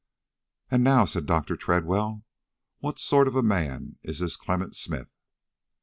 "And now," said Dr. Tredwell, "what sort of a man is this Clement Smith?"